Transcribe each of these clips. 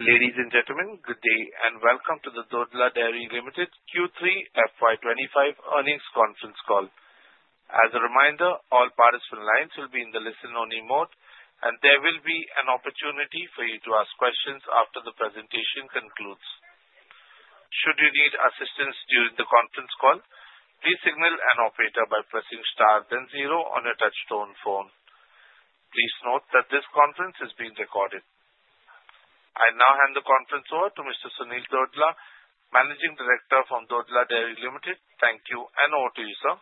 Ladies and gentlemen, good day and welcome to the Dodla Dairy Limited Q3 FY 2025 earnings conference call. As a reminder, all participant lines will be in the listen-only mode, and there will be an opportunity for you to ask questions after the presentation concludes. Should you need assistance during the conference call, please signal an operator by pressing star then zero on your touch-tone phone. Please note that this conference is being recorded. I now hand the conference over to Mr. Sunil Dodla, Managing Director from Dodla Dairy Limited. Thank you and over to you, sir.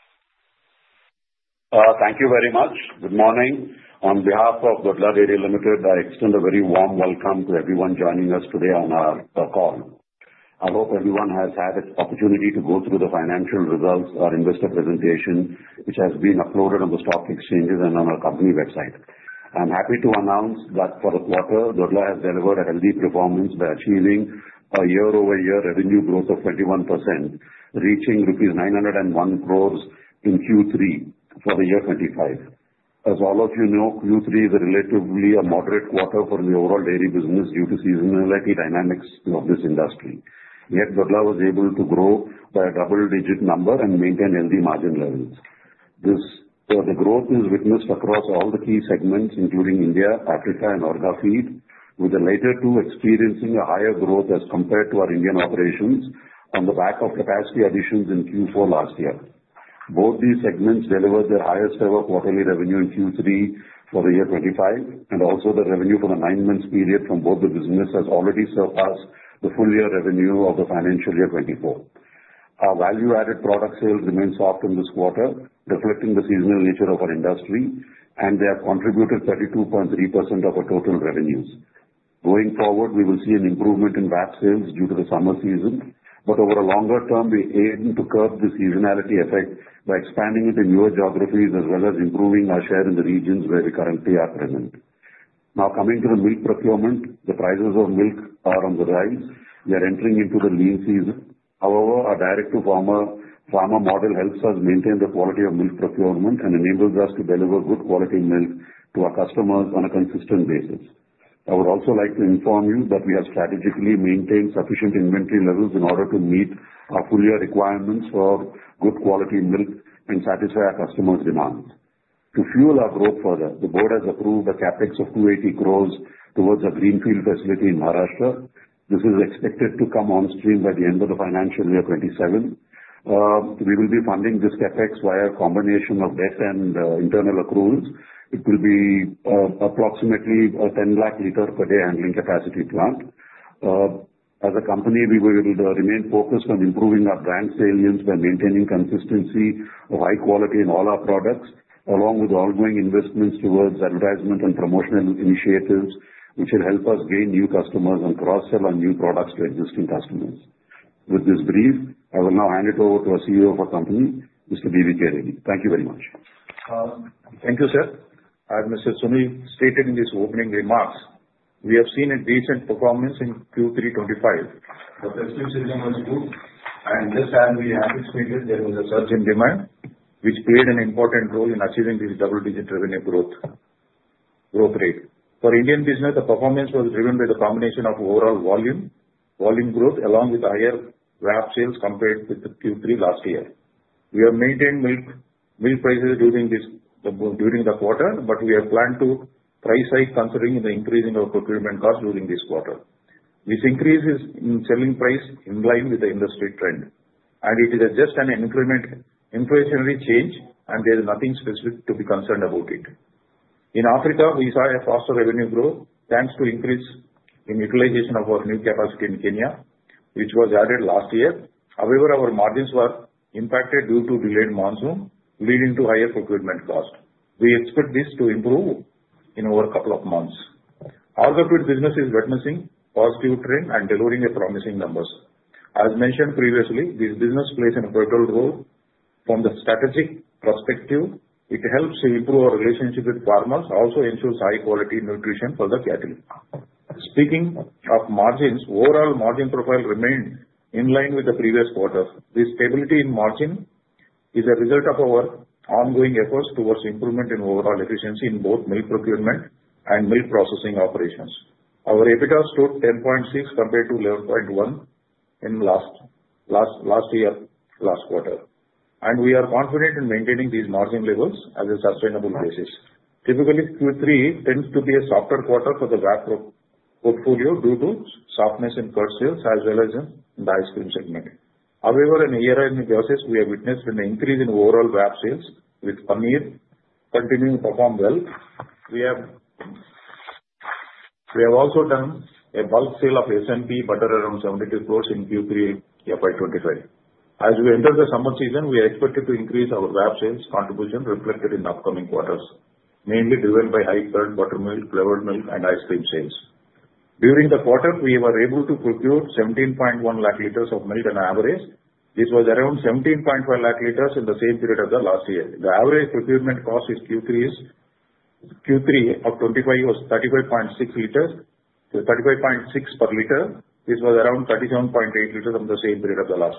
Thank you very much. Good morning. On behalf of Dodla Dairy Limited, I extend a very warm welcome to everyone joining us today on our call. I hope everyone has had the opportunity to go through the financial results or investor presentation, which has been uploaded on the stock exchanges and on our company website. I'm happy to announce that for the quarter, Dodla has delivered a healthy performance by achieving a year-over-year revenue growth of 21%, reaching rupees 901 crores in Q3 for the year 2025. As all of you know, Q3 is a relatively moderate quarter for the overall dairy business due to seasonality dynamics of this industry. Yet, Dodla was able to grow by a double-digit number and maintain healthy margin levels. The growth is witnessed across all the key segments, including India, Africa, and Orgafeed, with the latter two experiencing a higher growth as compared to our Indian operations on the back of capacity additions in Q4 last year. Both these segments delivered their highest-ever quarterly revenue in Q3 for the year 2025, and also, the revenue for the nine-month period from both the businesses has already surpassed the full-year revenue of the financial year 2024. Our value-added product sales remained soft in this quarter, reflecting the seasonal nature of our industry, and they have contributed 32.3% of our total revenues. Going forward, we will see an improvement in VAP sales due to the summer season, but over a longer term, we aim to curb the seasonality effect by expanding it in newer geographies as well as improving our share in the regions where we currently are present. Now, coming to the milk procurement, the prices of milk are on the rise. We are entering into the lean season. However, our direct-to-farmer model helps us maintain the quality of milk procurement and enables us to deliver good-quality milk to our customers on a consistent basis. I would also like to inform you that we have strategically maintained sufficient inventory levels in order to meet our full-year requirements for good-quality milk and satisfy our customers' demands. To fuel our growth further, the board has approved a Capex of 280 crore towards a greenfield facility in Maharashtra. This is expected to come on stream by the end of the financial year 2027. We will be funding this Capex via a combination of debt and internal accruals. It will be approximately a 10 lakh liters per day handling capacity plant. As a company, we will remain focused on improving our brand salience by maintaining consistency of high quality in all our products, along with ongoing investments towards advertisement and promotional initiatives, which will help us gain new customers and cross-sell our new products to existing customers. With this brief, I will now hand it over to our CEO of our company, Mr. B.V.K. Reddy. Thank you very much. Thank you, sir. As Mr. Sunil stated in his opening remarks, we have seen a decent performance in Q3 2025. The purchasing was good, and just as we anticipated, there was a surge in demand, which played an important role in achieving this double-digit revenue growth rate. For Indian business, the performance was driven by the combination of overall volume growth along with higher VAP sales compared with Q3 last year. We have maintained milk prices during the quarter, but we have planned to price hike considering the increase in our procurement costs during this quarter. This increase in selling price is in line with the industry trend, and it is just an inflationary change, and there is nothing specific to be concerned about it. In Africa, we saw a faster revenue growth thanks to an increase in utilization of our new capacity in Kenya, which was added last year. However, our margins were impacted due to delayed monsoon, leading to higher procurement costs. We expect this to improve in over a couple of months. Our corporate business is witnessing a positive trend and delivering promising numbers. As mentioned previously, this business plays an important role. From the strategic perspective, it helps to improve our relationship with farmers, also ensures high-quality nutrition for the cattle. Speaking of margins, overall margin profile remained in line with the previous quarter. This stability in margin is a result of our ongoing efforts towards improvement in overall efficiency in both milk procurement and milk processing operations. Our EBITDA stood 10.6 compared to 11.1 in last quarter, and we are confident in maintaining these margin levels as a sustainable basis. Typically, Q3 tends to be a softer quarter for the VAP portfolio due to softness in curd sales as well as in the ice cream segment. However, in year-end negotiations, we have witnessed an increase in overall VAP sales, with paneer continuing to perform well. We have also done a bulk sale of SMP butter around 72 crores in Q3 year 2025. As we enter the summer season, we are expected to increase our VAP sales contribution, reflected in the upcoming quarters, mainly driven by higher curd, buttermilk, flavored milk, and ice cream sales. During the quarter, we were able to procure 17.1 lakh liters of milk on average. This was around 17.5 lakh liters in the same period as last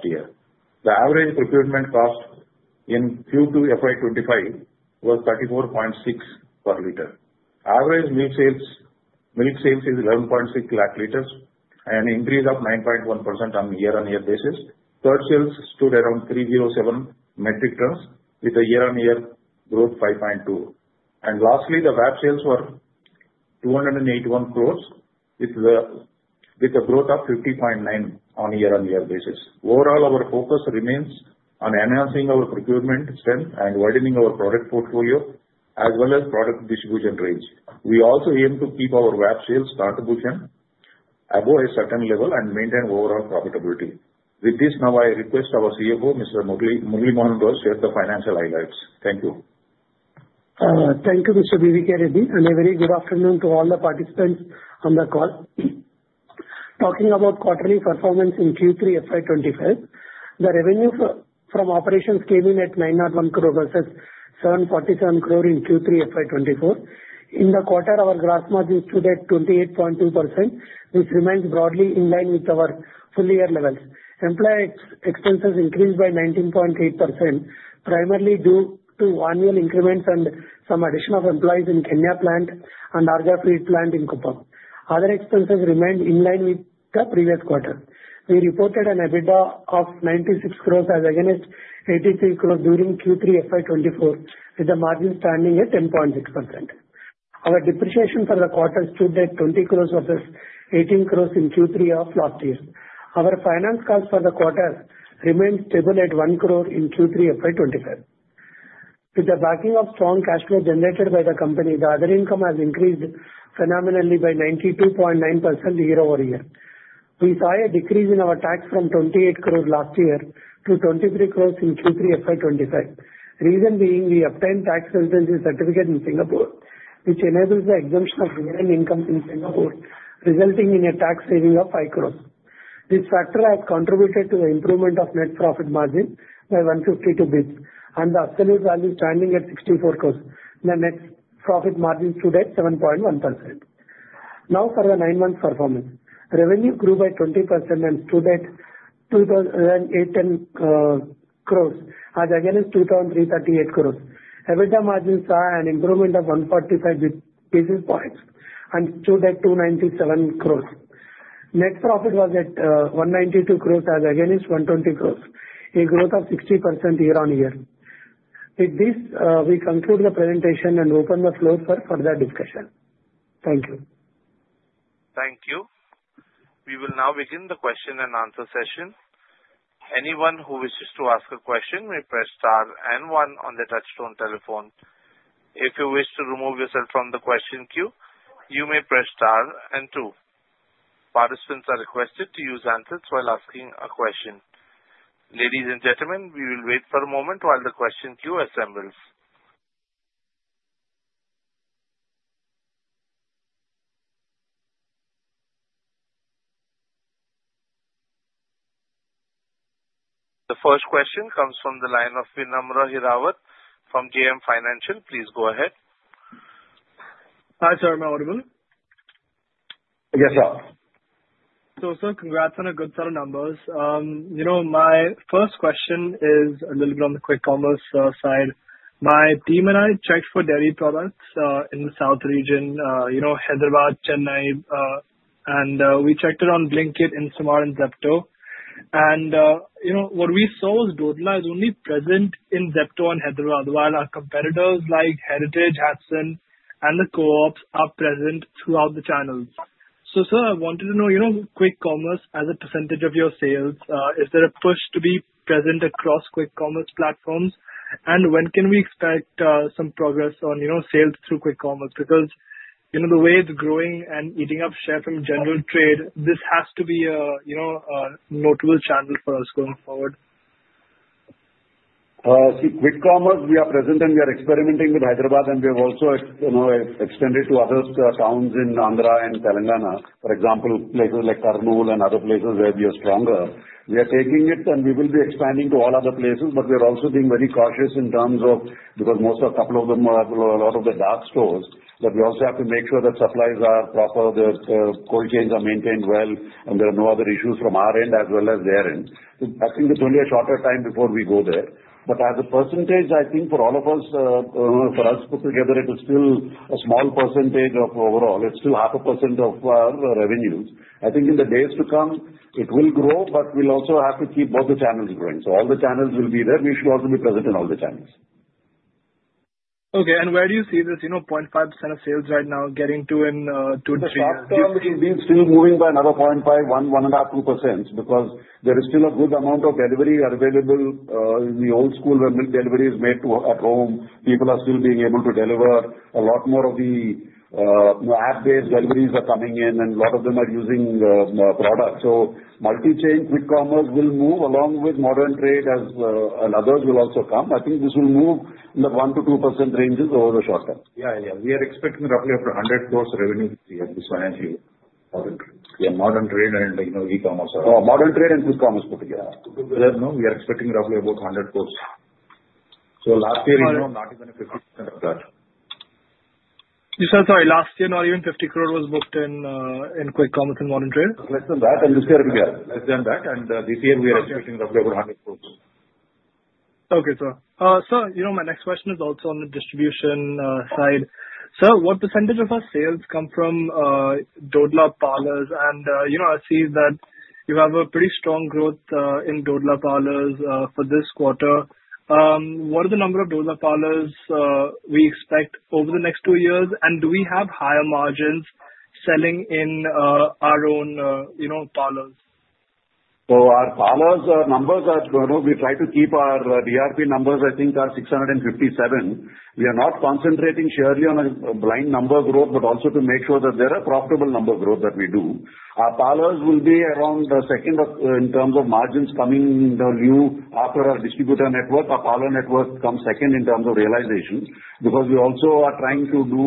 year. The average procurement cost in Q3 of 2025 was 35.6 per liter. This was around 37.8 per liter in the same period as last year. The average procurement cost in Q2 FY 2025 was INR 34.6 per liter. Average milk sales is 11.6 lakh liters, an increase of 9.1% on a year-on-year basis. Curd sales stood around 307 metric tons, with a year-on-year growth of 5.2%. And lastly, the VAP sales were 281 crores, with a growth of 50.9% on a year-on-year basis. Overall, our focus remains on enhancing our procurement strength and widening our product portfolio as well as product distribution range. We also aim to keep our VAP sales contribution above a certain level and maintain overall profitability. With this, now I request our CFO, Mr. Murali Mohan, to share the financial highlights. Thank you. Thank you, Mr. B.V.K. Reddy, and a very good afternoon to all the participants on the call. Talking about quarterly performance in Q3 FY 2025, the revenue from operations came in at 901 crores versus 747 crores in Q3 FY24. In the quarter, our gross margins stood at 28.2%, which remains broadly in line with our full-year levels. Employee expenses increased by 19.8%, primarily due to annual increments and some addition of employees in Kenya plant and Orgafeed plant in Kuppam. Other expenses remained in line with the previous quarter. We reported an EBITDA of 96 crores as against 83 crores during Q3 FY24, with the margin standing at 10.6%. Our depreciation for the quarter stood at 20 crores versus 18 crores in Q3 of last year. Our finance costs for the quarter remained stable at one crore in Q3 FY 2025. With the backing of strong cash flow generated by the company, the other income has increased phenomenally by 92.9% year-over-year. We saw a decrease in our tax from 28 crores last year to 23 crores in Q3 FY 2025. The reason being, we obtained tax residency certificate in Singapore, which enables the exemption of year-end income in Singapore, resulting in a tax saving of 5 crores. This factor has contributed to the improvement of net profit margin by 152 basis points, and the absolute value standing at 64 crores. The net profit margin stood at 7.1%. Now, for the nine-month performance, revenue grew by 20% and stood at 2,018 crores as against 2,338 crores. EBITDA margin saw an improvement of 145 basis points and stood at 297 crores. Net profit was at 192 crores as against 120 crores, a growth of 60% year-on-year. With this, we conclude the presentation and open the floor for further discussion. Thank you. Thank you. We will now begin the question and answer session. Anyone who wishes to ask a question may press star and one on the touch-tone telephone. If you wish to remove yourself from the question queue, you may press star and two. Participants are requested to use the handset while asking a question. Ladies and gentlemen, we will wait for a moment while the question queue assembles. The first question comes from the line of Vinamra Hirawat from JM Financial. Please go ahead. Hi, sir. Am I audible? Yes, sir. So, sir, congrats on a good set of numbers. My first question is a little bit on the quick commerce side. My team and I checked for dairy products in the south region, Hyderabad, Chennai, and we checked it on Blinkit, Instamart, and Zepto. And what we saw was Dodla is only present in Zepto and Hyderabad, while our competitors like Heritage, Hatsun, and the co-ops are present throughout the channels. So, sir, I wanted to know, quick commerce, as a percentage of your sales, is there a push to be present across quick commerce platforms? And when can we expect some progress on sales through quick commerce? Because the way it's growing and eating up share from general trade, this has to be a notable channel for us going forward. See, quick commerce, we are present, and we are experimenting with Hyderabad, and we have also extended to other towns in Andhra and Telangana, for example, places like Kurnool and other places where we are stronger. We are taking it, and we will be expanding to all other places, but we are also being very cautious in terms of, because most of a couple of them are a lot of the dark stores, that we also have to make sure that supplies are proper, the cold chains are maintained well, and there are no other issues from our end as well as their end. I think it's only a shorter time before we go there. But as a percentage, I think for all of us, for us put together, it is still a small percentage of overall. It's still 0.5% of our revenues. I think in the days to come, it will grow, but we'll also have to keep both the channels growing. So all the channels will be there. We should also be present in all the channels. Okay, and where do you see this 0.5% of sales right now getting to in Q3? The softy ones will be still moving by another 0.5%, 1.5%, 2%, because there is still a good amount of delivery available in the old school where milk delivery is made at home. People are still being able to deliver. A lot more of the app-based deliveries are coming in, and a lot of them are using products. So multi-chain, quick commerce will move along with modern trade as others will also come. I think this will move in the 1%-2% ranges over the short term. Yeah, yeah. We are expecting roughly up to 100 crores revenue this year, this financial year. Yeah, modern trade and e-commerce. Oh, modern trade and quick commerce put together. No, we are expecting roughly about 100 crores. So last year is not even 50% of that. You said, sorry, last year not even 50 crores was booked in quick commerce and modern trade? Less than that, and this year we are. Less than that, and this year we are expecting roughly about 100 crores. Okay, sir. Sir, my next question is also on the distribution side. Sir, what percentage of our sales come from Dodla parlors? And I see that you have a pretty strong growth in Dodla parlors for this quarter. What are the number of Dodla parlors we expect over the next two years, and do we have higher margins selling in our own parlors? So our parlors numbers are going to. We try to keep our DRP numbers, I think, are 657. We are not concentrating purely on a blind number growth, but also to make sure that there are profitable number growth that we do. Our parlors will be around second in terms of margins coming new after our distributor network. Our parlor network comes second in terms of realization because we also are trying to do.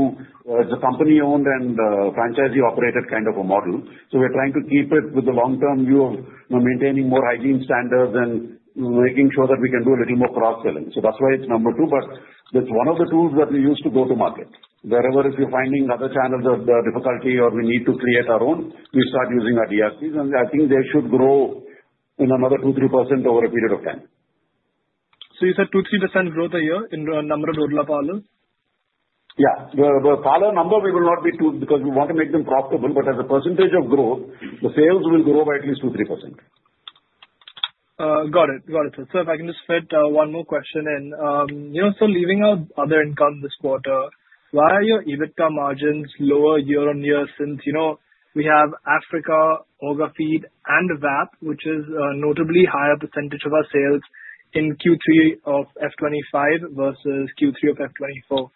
It's a company-owned and franchisee-operated kind of a model. So we're trying to keep it with the long-term view of maintaining more hygiene standards and making sure that we can do a little more cross-selling. So that's why it's number two. But it's one of the tools that we use to go to market. Wherever if you're finding other channels of difficulty or we need to create our own, we start using our DRPs, and I think they should grow in another 2 to 3% over a period of time. So you said 2-3% growth a year in the number of Dodla parlors? Yeah. The parlor number will not be 2 because we want to make them profitable, but as a percentage of growth, the sales will grow by at least 2-3%. Got it. Got it, sir. Sir, if I can just fit one more question in. Sir, leaving out other income this quarter, why are your EBITDA margins lower year-on-year since we have Africa, Orga Feed, and VAP, which is a notably higher percentage of our sales in Q3 of F25 versus Q3 of F24?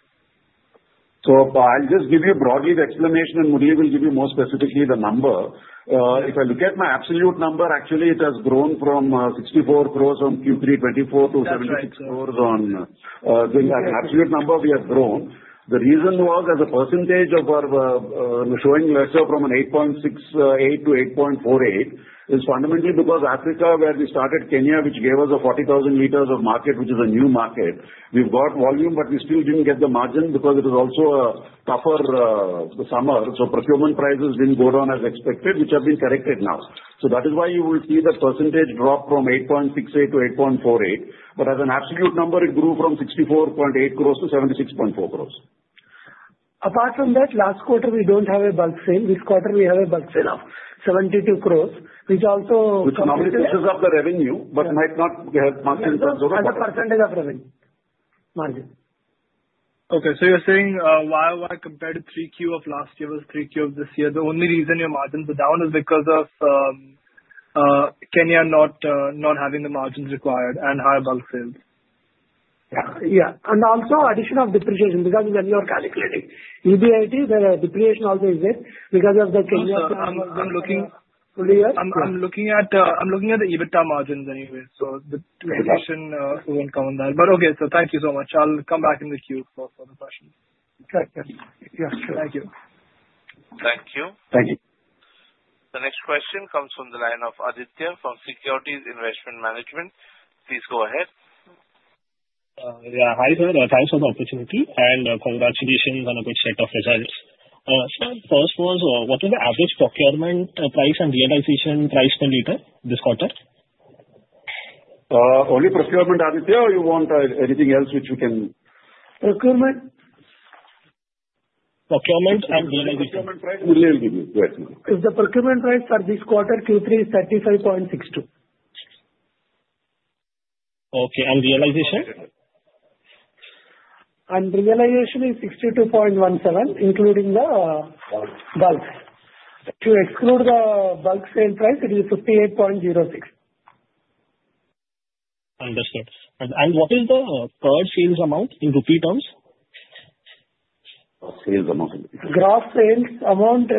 I'll just give you a broadly the explanation, and Murali Mohan will give you more specifically the number. If I look at my absolute number, actually, it has grown from 64 crores in Q3 2024 to 76 crores. The absolute number we have grown. The reason was as a percentage of our showing lesser from an 8.68% to 8.48% is fundamentally because Africa, where we started, Kenya, which gave us a 40,000 liters of market, which is a new market. We've got volume, but we still didn't get the margin because it was also a tougher summer. So procurement prices didn't go down as expected, which have been corrected now. So that is why you will see the percentage drop from 8.68% to 8.48%. But as an absolute number, it grew from 64.8 crores to 76.4 crores. Apart from that, last quarter we don't have a bulk sale. This quarter we have a bulk sale of 72 crores, which also. Which normally pushes up the revenue, but might not have margin for Dodla Dairy. As a percentage of revenue. Margin. Okay. So you're saying why compared to Q3 of last year versus Q3 of this year, the only reason your margins are down is because of Kenya not having the margins required and higher bulk sales? Yeah, and also addition of depreciation because of when you are calculating EBIT. There are depreciation also is there because of Kenya. Sir, I'm looking at the EBITDA margins anyway. So the depreciation won't come on that. But okay. So thank you so much. I'll come back in the queue for further questions. Okay. Yeah. Thank you. Thank you. Thank you. The next question comes from the line of Aditya from Securities Investment Management. Please go ahead. Yeah. Hi, sir. Thanks for the opportunity and congratulations on a good set of results. Sir, first was, what is the average procurement price and realization price per liter this quarter? Only procurement, Aditya, or you want anything else which we can? Procurement. Procurement and realization. Procurement price? Murlimanu will give you. Go ahead. Is the procurement price for this quarter Q3 35.62? Okay. And realization? And realization is 62.17, including the bulk. To exclude the bulk sale price, it is 58.06. Understood. And what is the current sales amount in rupee terms? Sales amount in rupee terms? Gross sales amount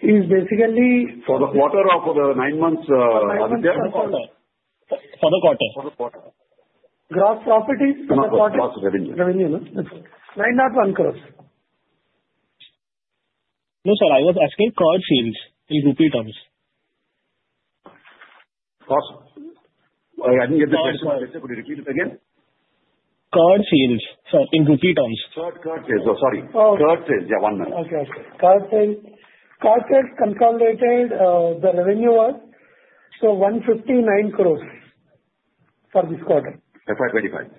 is basically. For the quarter and the nine months, Aditya? For the quarter. For the quarter. Gross profit is in the quarter. Gross revenue. Revenue, no? INR 901 crores. No, sir. I was asking current sales in rupee terms. Cost. I didn't get the question. Could you repeat it again? Current sales, sir, in rupee terms. Current sales. Sorry. Current sales. Yeah, one minute. Current sales, consolidated, the revenue was 159 crores for this quarter. FY 2025.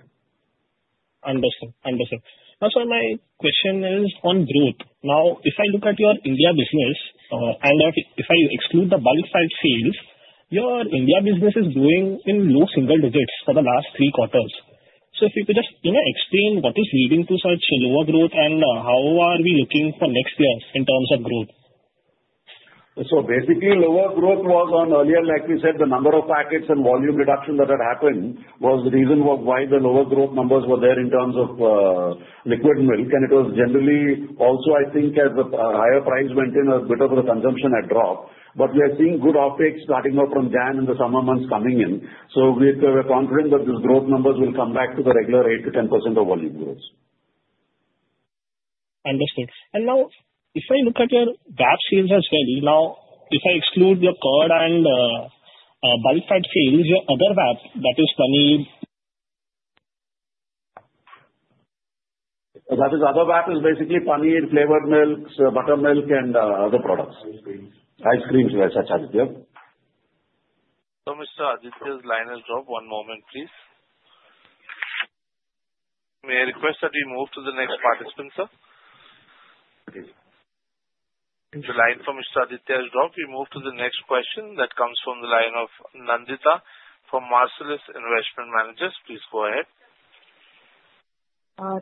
Understood. Understood. Now, sir, my question is on growth. Now, if I look at your India business and if I exclude the bulk sales, your India business is growing in low single digits for the last three quarters. So if you could just explain what is leading to such lower growth and how are we looking for next year in terms of growth? So basically, lower growth was on earlier, like we said, the number of packets and volume reduction that had happened was the reason why the lower growth numbers were there in terms of liquid milk, and it was generally also, I think, as the higher price went in, a bit of the consumption had dropped, but we are seeing good uptick starting up from January in the summer months coming in, so we are confident that these growth numbers will come back to the regular 8%-10% of volume growth. Understood. And now, if I look at your VAP sales as well, now, if I exclude your curd and bulk size sales, your other VAP, that is paneer? That is other VAP is basically paneer, flavored milks, buttermilk, and other products. Ice creams and such as it, yeah? Mr. Aditya's line has dropped. One moment, please. May I request that we move to the next participant, sir? The line for Mr. Aditya has dropped. We move to the next question that comes from the line of Nandita from Marcellus Investment Managers. Please go ahead.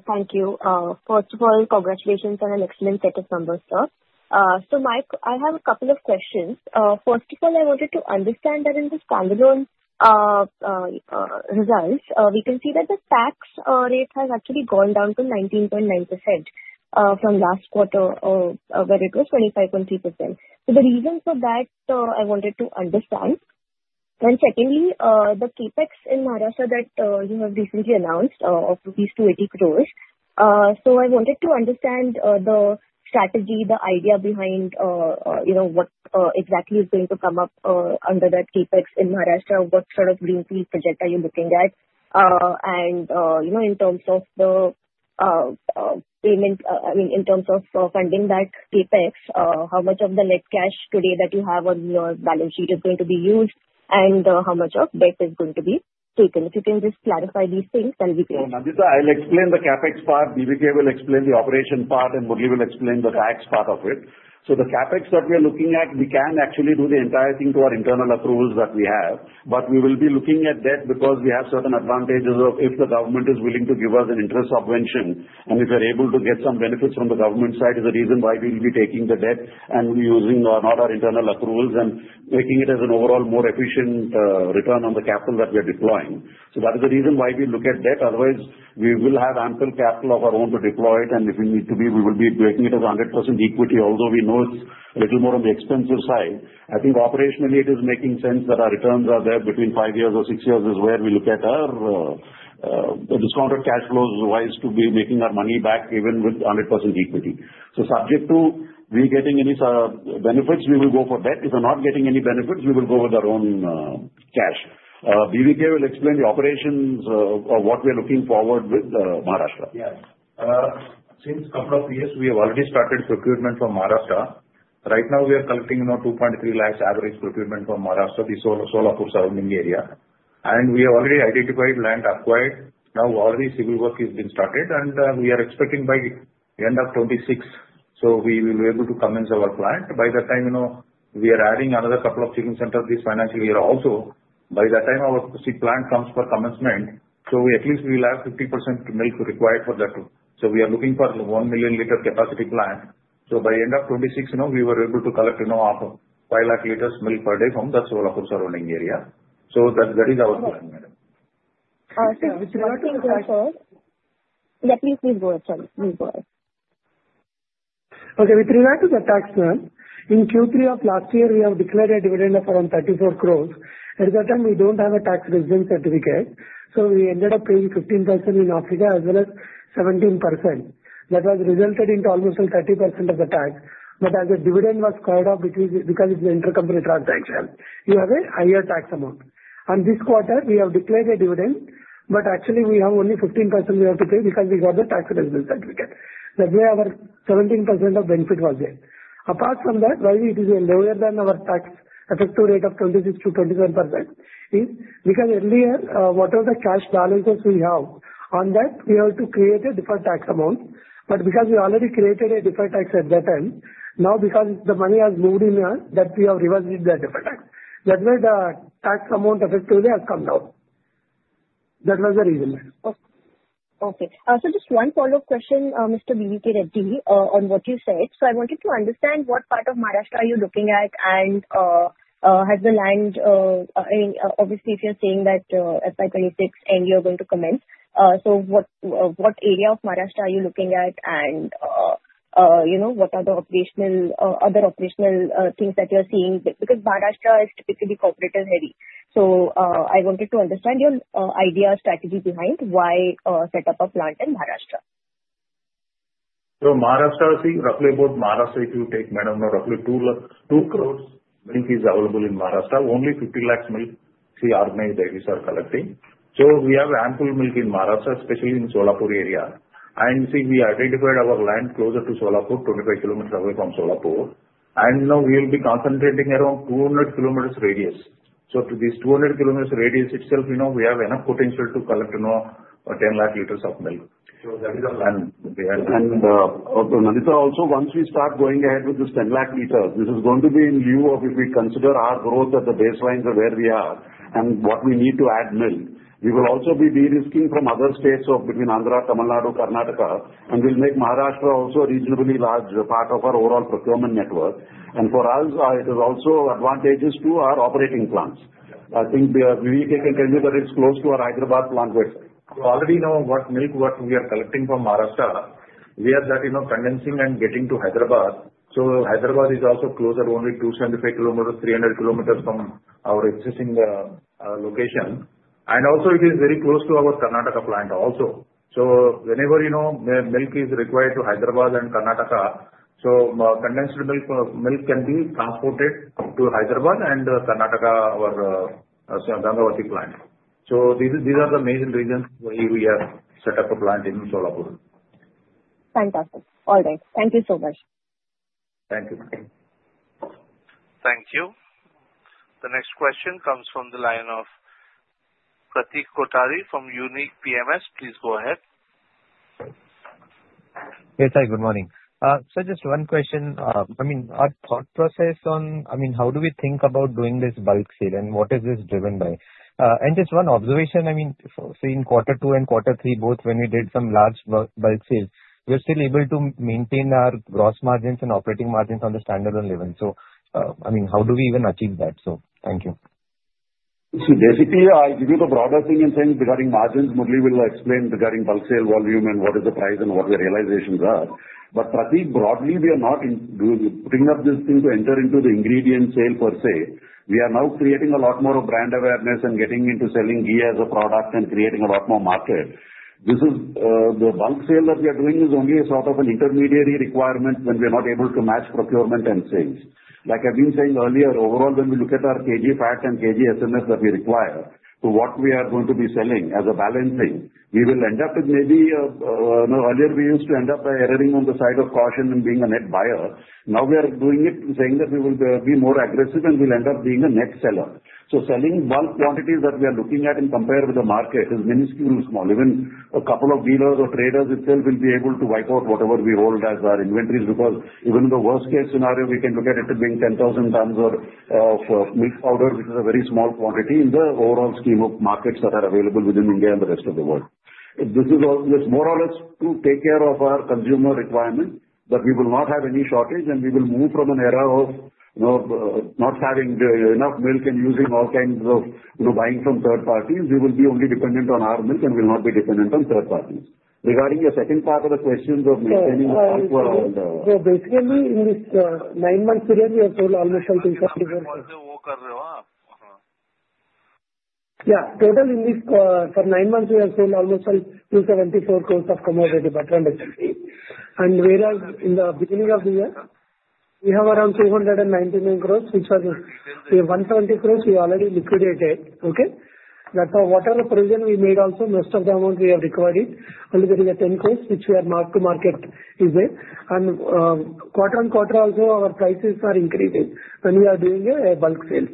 Thank you. First of all, congratulations on an excellent set of numbers, sir. So Mike, I have a couple of questions. First of all, I wanted to understand that in the standalone results, we can see that the tax rate has actually gone down to 19.9% from last quarter, where it was 25.3%. So the reason for that, I wanted to understand. And secondly, the Capex in Maharashtra that you have recently announced of 280 crores. So I wanted to understand the strategy, the idea behind what exactly is going to come up under that Capex in Maharashtra, what sort of greenfield project are you looking at? In terms of the payment, I mean, in terms of funding that CapEx, how much of the net cash today that you have on your balance sheet is going to be used, and how much of debt is going to be taken? If you can just clarify these things, that'll be great. Nandita, I'll explain the CapEx part. B.V.K. will explain the operation part, and Murali Mohan will explain the tax part of it. So the CapEx that we are looking at, we can actually do the entire thing to our internal approvals that we have. But we will be looking at debt because we have certain advantages of if the government is willing to give us an interest subvention, and if we're able to get some benefits from the government side, is the reason why we'll be taking the debt and using not our internal approvals and making it as an overall more efficient return on the capital that we are deploying. So that is the reason why we look at debt. Otherwise, we will have ample capital of our own to deploy it, and if we need to be, we will be breaking it as 100% equity, although we know it's a little more on the expensive side. I think operationally, it is making sense that our returns are there between five years or six years, is where we look at our discounted cash flows wise to be making our money back even with 100% equity. So, subject to we getting any benefits, we will go for debt. If we're not getting any benefits, we will go with our own cash. Mr. B.V.K. Reddy will explain the operations of what we are looking forward with Maharashtra. Yeah. Since a couple of years, we have already started procurement from Maharashtra. Right now, we are collecting about 2.3 lakhs average procurement from Maharashtra, the Solapur surrounding area. We have already identified land acquired. Now, already civil work is being started, and we are expecting by the end of 2026. We will be able to commence our plant. By that time, we are adding another couple of chilling centers this financial year also. By that time, our said plant comes for commencement. At least we will have 50% milk required for that. We are looking for a 1 million liter capacity plant. By the end of 2026, we were able to collect about 5 lakh liters milk per day from the Solapur surrounding area. That is our plan. With regard to the tax? Yeah, please, please go ahead. Sorry. Please go ahead. Okay. With regard to the tax plan, in Q3 of last year, we have declared a dividend of around 34 crores. At that time, we don't have a tax resident certificate. So we ended up paying 15% in Africa as well as 17%. That has resulted in almost 30% of the tax. But as the dividend was cut off because it's an intercompany transaction, you have a higher tax amount. And this quarter, we have declared a dividend, but actually, we have only 15% we have to pay because we got the tax resident certificate. That way, our 17% of benefit was there. Apart from that, why it is lower than our tax effective rate of 26% to 27% is because earlier, whatever cash balances we have, on that, we have to create a different tax amount. But because we already created a deferred tax at that time, now because the money has moved in here, that we have revisited that deferred tax. That way, the tax amount effectively has come down. That was the reason. Okay. So just one follow-up question, Mr. B.V.K. Reddy, on what you said. So I wanted to understand what part of Maharashtra are you looking at and has the land? Obviously, if you're saying that FY26 end, you're going to commence, so what area of Maharashtra are you looking at and what are the other operational things that you're seeing? Because Maharashtra is typically cooperative-heavy. So I wanted to understand your idea or strategy behind why set up a plant in Maharashtra. Maharashtra, see, roughly about Maharashtra, if you take, Madam, roughly 2 crores of milk is available in Maharashtra. Only 50 lakhs milk, see, organized daily are collecting. We have ample milk in Maharashtra, especially in Solapur area. See, we identified our land closer to Solapur, 25 km away from Solapur. Now we will be concentrating around 200 km radius. To this 200 km radius itself, we have enough potential to collect 10 lakh liters of milk. So that is our plan. Nandita, also, once we start going ahead with this 10 lakh liters, this is going to be in lieu of if we consider our growth at the baselines of where we are and what we need to add milk. We will also be de-risking from other states between Andhra, Tamil Nadu, Karnataka, and will make Maharashtra also a reasonably large part of our overall procurement network. And for us, it is also advantageous to our operating plants. I think B.V.K. can tell you that it's close to our Hyderabad plant. We already know what milk we are collecting from Maharashtra. We are that condensing and getting to Hyderabad, so Hyderabad is also closer, only 275 km, 300 km from our existing location, and also, it is very close to our Karnataka plant also, so whenever milk is required to Hyderabad and Karnataka, so condensed milk can be transported to Hyderabad and Karnataka, our Gangavati plant, so these are the main reasons why we have set up a plant in Solapur. Fantastic. All right. Thank you so much. Thank you. Thank you. The next question comes from the line of Pratik Kothari from Unique PMS. Please go ahead. Hey, sir. Good morning. Sir, just one question. I mean, our thought process on, I mean, how do we think about doing this bulk sale and what is this driven by? And just one observation, I mean, seeing quarter two and quarter three, both when we did some large bulk sales, we are still able to maintain our gross margins and operating margins on the standalone level. So, I mean, how do we even achieve that? So thank you. See, basically, I'll give you the broader thing in terms regarding margins. Murali will explain regarding bulk sale volume and what is the price and what the realizations are. But Pratik, broadly, we are not putting up this thing to enter into the ingredient sale per se. We are now creating a lot more brand awareness and getting into selling ghee as a product and creating a lot more market. The bulk sale that we are doing is only a sort of an intermediary requirement when we are not able to match procurement and sales. Like I've been saying earlier, overall, when we look at our KG fat and KG SMP that we require to what we are going to be selling as a balancing, we will end up with maybe earlier, we used to end up erring on the side of caution and being a net buyer. Now, we are doing it saying that we will be more aggressive and we'll end up being a net seller. So, selling bulk quantities that we are looking at and compare with the market is minuscule, small. Even a couple of dealers or traders itself will be able to wipe out whatever we hold as our inventories because even in the worst case scenario, we can look at it being 10,000 tons of milk powder, which is a very small quantity in the overall scheme of markets that are available within India and the rest of the world. This is more or less to take care of our consumer requirement that we will not have any shortage and we will move from an era of not having enough milk and using all kinds of buying from third parties. We will be only dependent on our milk and will not be dependent on third parties. Regarding the second part of the question of maintaining the. Basically, in this nine months period, we have sold almost INR 274 crores. Yeah. Total in this for nine months, we have sold almost 274 crores of commodity by transaction. And whereas in the beginning of the year, we have around 299 crores, which was 120 crores we already liquidated. Okay? That's whatever provision we made also, most of the amount we have required, only there is 10 crores, which we have marked to market is there. And quarter on quarter, also, our prices are increasing when we are doing bulk sales.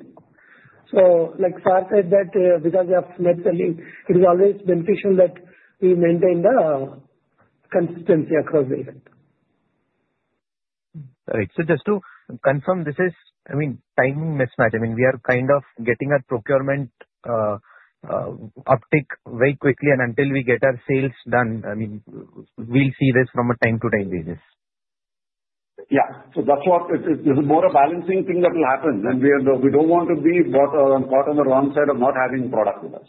So like sir said that because we have net selling, it is always beneficial that we maintain the consistency across the event. All right. So just to confirm, this is, I mean, timing mismatch. I mean, we are kind of getting our procurement uptake very quickly, and until we get our sales done, I mean, we'll see this from time to time basis. Yeah. So that's what there's more a balancing thing that will happen. And we don't want to be caught on the wrong side of not having product with us.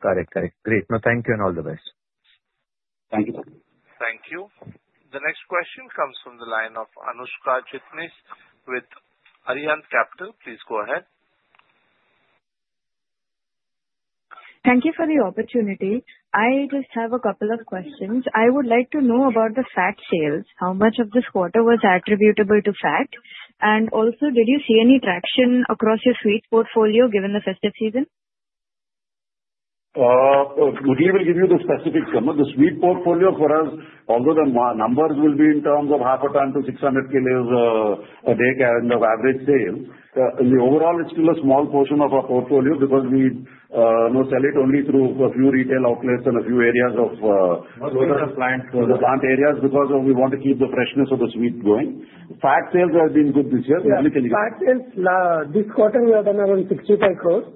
Correct. Correct. Great. No, thank you and all the best. Thank you. Thank you. The next question comes from the line of Anushka Chitnis with Arihant Capital. Please go ahead. Thank you for the opportunity. I just have a couple of questions. I would like to know about the fat sales. How much of this quarter was attributable to fat? And also, did you see any traction across your sweets portfolio given the festive season? I would give you the specifics. The sweets portfolio for us, although the numbers will be in terms of half a ton to 600 kilos a day of average sale, overall, it's still a small portion of our portfolio because we sell it only through a few retail outlets and a few areas of. Smaller plants. Smaller plant areas because we want to keep the freshness of the sweet going. Fat sales have been good this year. Yeah. Fat sales, this quarter, we have done around 65 crores.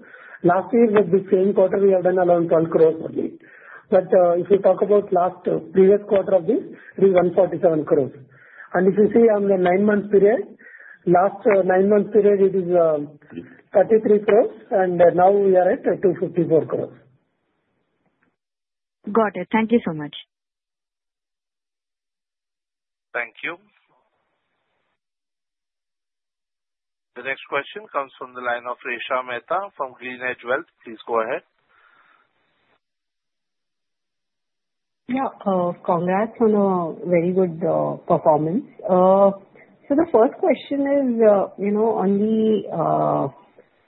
Last year, with the same quarter, we have done around 12 crores only. But if you talk about last previous quarter of this, it is 147 crores. And if you see on the nine-month period, last nine-month period, it is 33 crores, and now we are at 254 crores. Got it. Thank you so much. Thank you. The next question comes from the line of Risha Mehta from GreenEdge Wealth. Please go ahead. Yeah. Congrats on a very good performance. So the first question is on the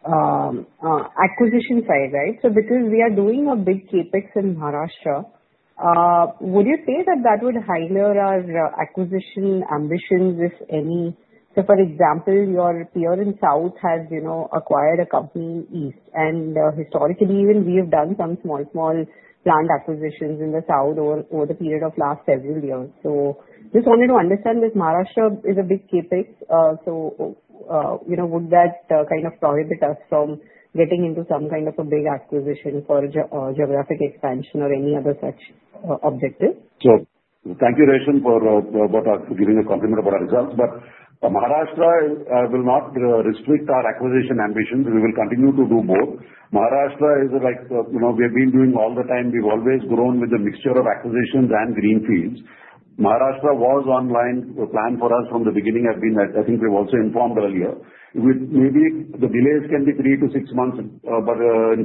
acquisition side, right? So because we are doing a big CapEx in Maharashtra, would you say that that would hinder our acquisition ambitions, if any? So for example, your peer in South has acquired a company in East. And historically, even we have done some small, small plant acquisitions in the South over the period of last several years. So just wanted to understand if Maharashtra is a big CapEx, so would that kind of prohibit us from getting into some kind of a big acquisition for geographic expansion or any other such objective? Thank you, Risha, for giving a compliment about our results. Maharashtra will not restrict our acquisition ambitions. We will continue to do both. Maharashtra is like we have been doing all the time. We've always grown with a mixture of acquisitions and greenfields. Maharashtra was online plan for us from the beginning. I think we've also informed earlier. Maybe the delays can be three-to-six months in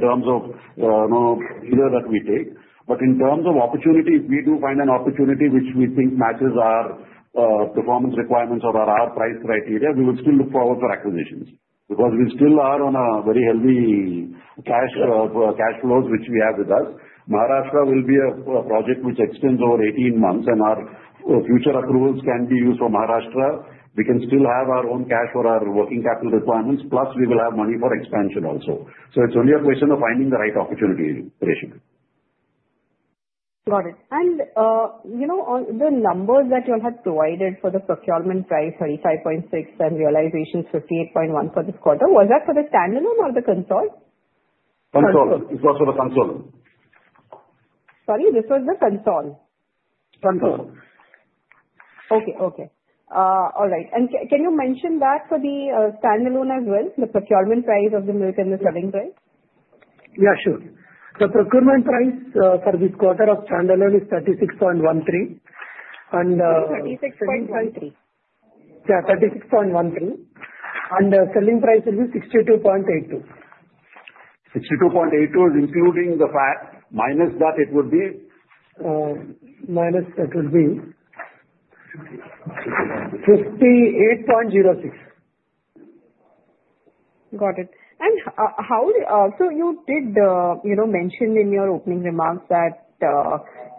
terms of either that we take. In terms of opportunity, if we do find an opportunity which we think matches our performance requirements or our price criteria, we will still look forward for acquisitions because we still are on a very healthy cash flows, which we have with us. Maharashtra will be a project which extends over 18 months, and our future approvals can be used for Maharashtra. We can still have our own cash for our working capital requirements, plus we will have money for expansion also. So it's only a question of finding the right opportunity, Risha. Got it. And the numbers that you all had provided for the procurement price, 35.6 and realizations 58.1 for this quarter, was that for the standalone or the consolidated? Consult. It was for the consult. Sorry? This was the consult? Consult. All right. Can you mention that for the standalone as well, the procurement price of the milk and the selling price? Yeah, sure. The procurement price for this quarter of standalone is 36.13. 36.13. Yeah, 36.13. And the selling price will be 62.82. 62.82 is including the fat. Minus that, it would be? Minus that would be 58.06. Got it. And so you did mention in your opening remarks that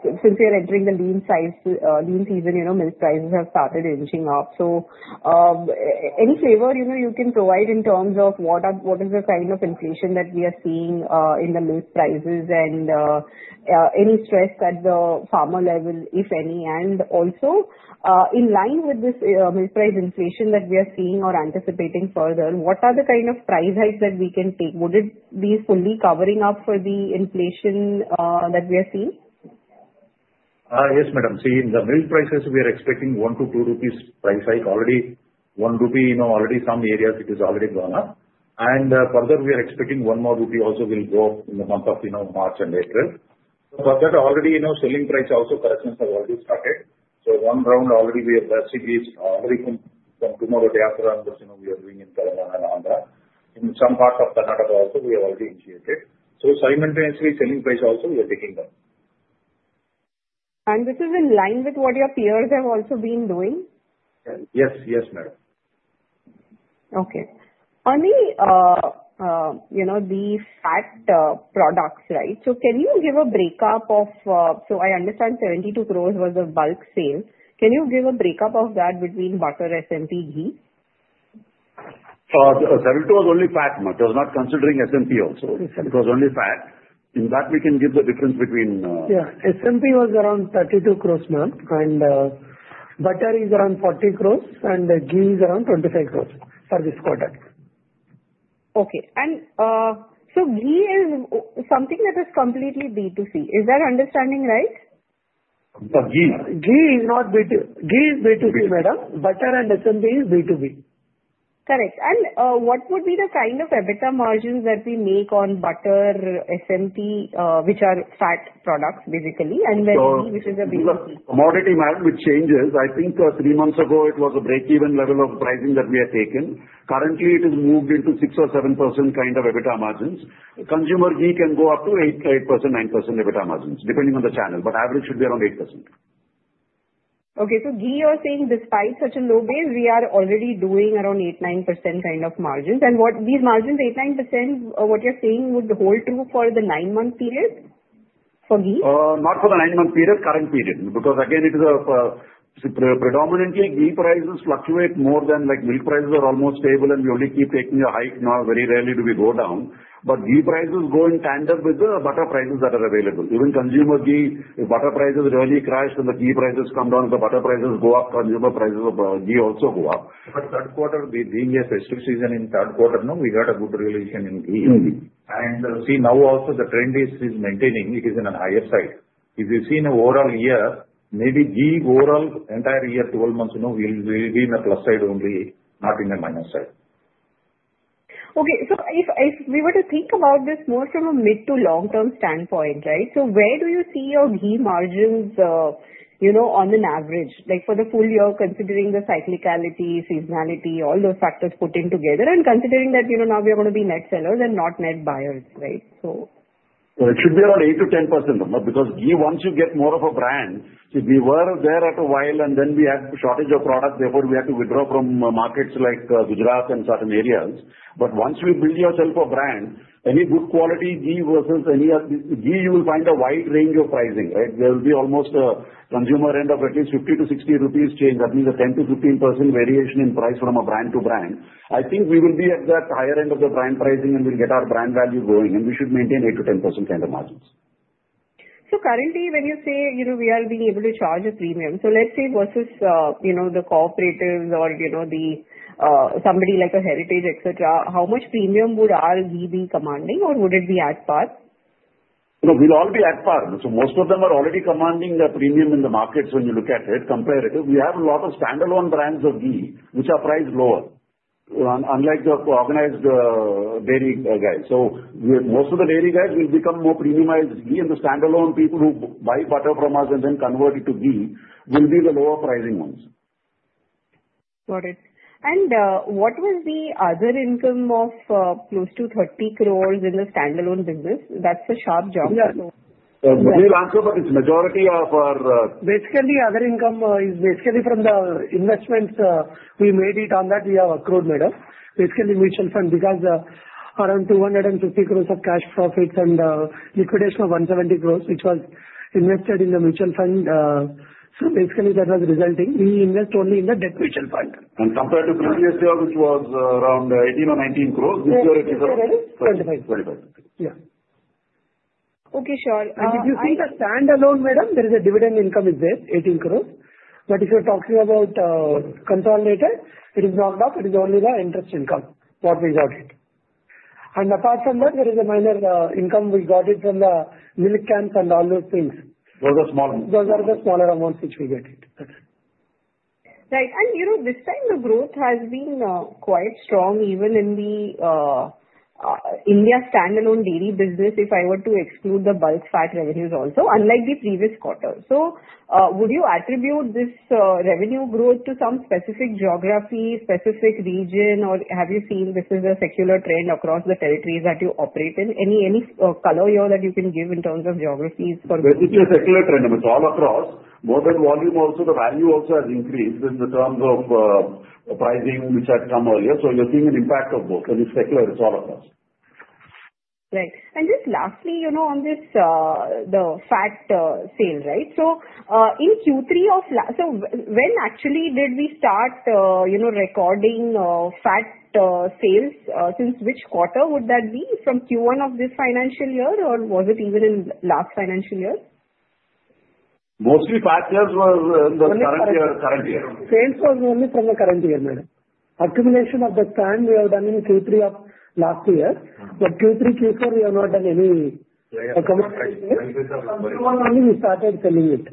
since we are entering the lean season, milk prices have started inching up. So any flavor you can provide in terms of what is the kind of inflation that we are seeing in the milk prices and any stress at the farmer level, if any? And also, in line with this milk price inflation that we are seeing or anticipating further, what are the kind of price hikes that we can take? Would it be fully covering up for the inflation that we are seeing? Yes, Madam. See, in the milk prices, we are expecting 1-2 rupees price hike. Already 1 rupee, already some areas, it has already gone up. And further, we are expecting one more rupee also will go up in the month of March and April. But that already selling price also corrections have already started. So one round already we have seen is already from tomorrow day after we are doing in Karnataka and Andhra. In some parts of Karnataka also, we have already initiated. So simultaneously, selling price also we are taking down. This is in line with what your peers have also been doing? Yes. Yes, Madam. Okay. Only the fat products, right? So can you give a breakup of so I understand 72 crores was the bulk sale. Can you give a breakup of that between butter, SMP, ghee? 72 was only fat, Madam. It was not considering SMP also. It was only fat. In that, we can give the difference between. Yeah. SMP was around 32 crores now, and butter is around 40 crores, and ghee is around 25 crores for this quarter. Okay. And so ghee is something that is completely B2C. Is that understanding right? Ghee is not B2C. Ghee is B2C, Madam. Butter and SMP is B2B. Correct. And what would be the kind of EBITDA margins that we make on butter, SMP, which are fat products basically, and ghee, which is a B2B? Commodity margin changes. I think three months ago, it was a break-even level of pricing that we had taken. Currently, it has moved into 6 or 7% kind of EBITDA margins. Consumer ghee can go up to 8%-9% EBITDA margins depending on the channel, but average should be around 8%. Okay. So ghee, you're saying despite such a low base, we are already doing around 8%, 9% kind of margins. And these margins, 8%, 9%, what you're saying would hold true for the nine-month period for ghee? Not for the nine-month period, current period. Because again, it is a predominantly ghee prices fluctuate more than milk prices are almost stable, and we only keep taking a hike now. Very rarely do we go down. But ghee prices go in tandem with the butter prices that are available. Even consumer ghee, if butter prices rarely crash and the ghee prices come down, if the butter prices go up, consumer prices of ghee also go up. But Q3, being a festive season in Q3, we got a good realization in ghee. And see, now also the trend is maintaining. It is in a higher side. If you see in an overall year, maybe ghee overall entire year, 12 months, will be in a plus side only, not in a minus side. Okay. So if we were to think about this more from a mid to long-term standpoint, right, so where do you see your ghee margins on an average? For the full year, considering the cyclicality, seasonality, all those factors put in together, and considering that now we are going to be net sellers and not net buyers, right? So. It should be around 8%-10% because ghee, once you get more of a brand, if we were there at a while and then we had shortage of product, therefore we had to withdraw from markets like Gujarat and certain areas. But once you build yourself a brand, any good quality ghee versus any other ghee, you will find a wide range of pricing, right? There will be almost a consumer end of at least 50-60 rupees change. That means a 10%-15% variation in price from a brand to brand. I think we will be at that higher end of the brand pricing and we'll get our brand value going, and we should maintain 8%-10% kind of margins. Currently, when you say we are being able to charge a premium, so let's say versus the cooperatives or somebody like a Heritage, etc., how much premium would our ghee be commanding, or would it be at par? It will all be on par. So most of them are already commanding a premium in the markets when you look at it comparatively. We have a lot of standalone brands of ghee, which are priced lower, unlike the organized dairy guys. So most of the dairy guys will become more premiumized ghee, and the standalone people who buy butter from us and then convert it to ghee will be the lower pricing ones. Got it. And what was the other income of close to 30 crores in the standalone business? That's a sharp jump. Yeah. I will answer, but it's majority of our. Basically, other income is basically from the investments. We made it on that. We have accrued, Madam, basically mutual fund because around 250 crores of cash profits and liquidation of 170 crores, which was invested in the mutual fund. So basically, that was resulting. We invest only in the debt mutual fund. Compared to previous year, which was around 18 or 19 crores, this year it is around. 25? 25. Yeah. Okay. Sure. And if you see the standalone, Madam, there is a dividend income in there, 18 crores. But if you're talking about consolidated, it is not that. It is only the interest income what we got it. And apart from that, there is a minor income we got it from the milk camps and all those things. Those are small amounts. Those are the smaller amounts which we get it. Right. And this time, the growth has been quite strong, even in the India standalone dairy business, if I were to exclude the bulk fat revenues also, unlike the previous quarter. So would you attribute this revenue growth to some specific geography, specific region, or have you seen this is a secular trend across the territories that you operate in? Any color here that you can give in terms of geographies for. It's a secular trend, Madam. It's all across. More than volume, also the value also has increased in the terms of pricing, which has come earlier. So you're seeing an impact of both. And it's secular. It's all across. Right. And just lastly, on the fat sale, right? So in Q3 of last, so when actually did we start recording fat sales? Since which quarter would that be? From Q1 of this financial year, or was it even in last financial year? Mostly fat sales was in the current year. Sales was only from the current year, Madam. Accumulation of the SMP we have done in Q3 of last year. But Q3, Q4, we have not done any accumulation. Only we started selling it.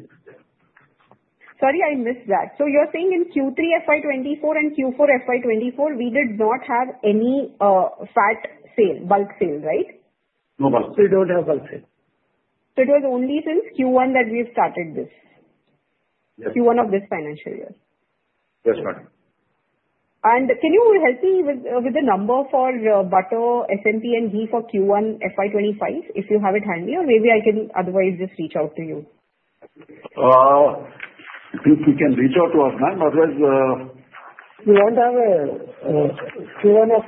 Sorry, I missed that. So you're saying in Q3 FY24 and Q4 FY24, we did not have any fat sale, bulk sale, right? No bulk sale. We don't have bulk sales. So it was only since Q1 that we have started this? Yes. Q1 of this financial year? Yes, Madam. Can you help me with the number for butter, SMP, and ghee for Q1 FY 2025, if you have it handy, or maybe I can otherwise just reach out to you? You can reach out to us, Madam. Otherwise. We don't have a Q1 of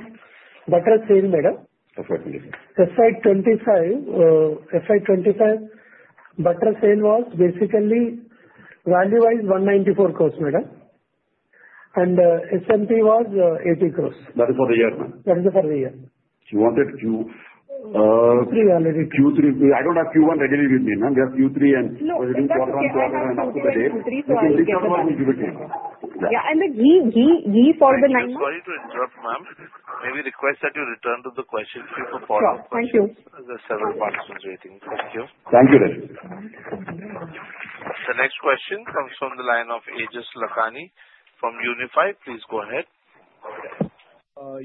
butter sale, Madam. FY 2025. FY 2025. FY 2025 butter sale was basically value-wise 194 crores, Madam. And SMP was 80 crores. That is for the year, Madam. That is for the year. She wanted Q. Q3 already. Q3. I don't have Q1 ready with me, Madam. Just Q3 and. No, Q3. Q3. So I will give it to you, Madam. Yeah. And the ghee for the nine-month. Sorry to interrupt, Madam. May we request that you return to the question for the following questions? Sure. Thank you. There are several participants waiting. Thank you. Thank you, Risha. The next question comes from the line of Aejas Lakhani from Unifi. Please go ahead.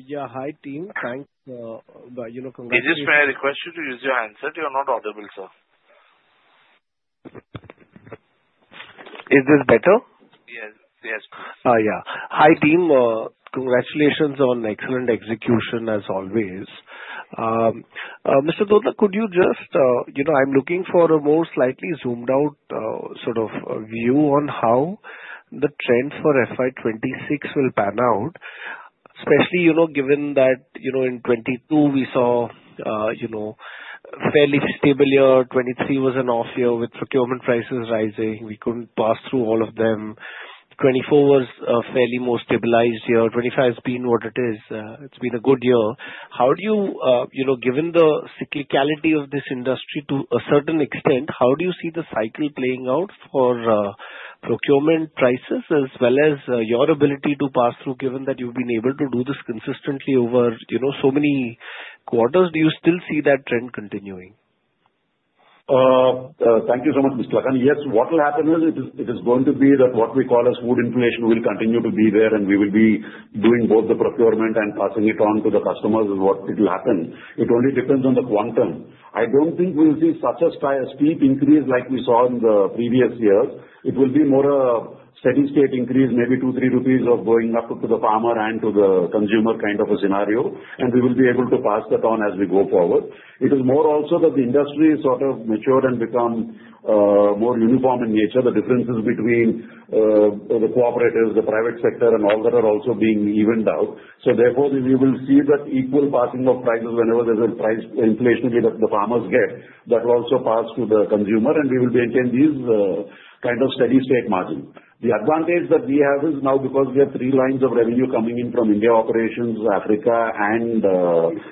Yeah. Hi team. Thanks. Aejas, may I request you to use your hands? You are not audible, sir. Is this better? Yes. Yes. Yeah. Hi team. Congratulations on excellent execution as always. Mr. Dodla, could you just, I'm looking for a more slightly zoomed-out sort of view on how the trend for FY26 will pan out, especially given that in 2022, we saw a fairly stable year. 2023 was an off year with procurement prices rising. We couldn't pass through all of them. 2024 was a fairly more stabilized year. 2025 has been what it is. It's been a good year. How do you, given the cyclicality of this industry to a certain extent, how do you see the cycle playing out for procurement prices as well as your ability to pass through, given that you've been able to do this consistently over so many quarters? Do you still see that trend continuing? Thank you so much, Mr. Lakhani. Yes, what will happen is it is going to be that what we call as food inflation will continue to be there, and we will be doing both the procurement and passing it on to the customers is what will happen. It only depends on the quantum. I don't think we'll see such a steep increase like we saw in the previous years. It will be more a steady-state increase, maybe two, three rupees of going up to the farmer and to the consumer kind of a scenario, and we will be able to pass that on as we go forward. It is more also that the industry is sort of matured and become more uniform in nature. The differences between the cooperatives, the private sector, and all that are also being evened out. So therefore, we will see that equal passing of prices whenever there's a price inflation that the farmers get. That will also pass to the consumer, and we will maintain these kind of steady-state margins. The advantage that we have is now because we have three lines of revenue coming in from India operations, Africa, and